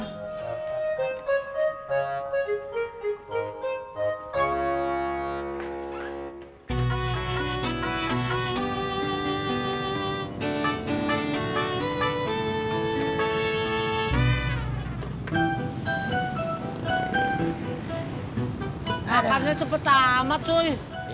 makannya cepet amat cuy